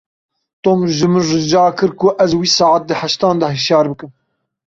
Tom ji min rica kir ku ez wî saet di heştan de hişyar bikim.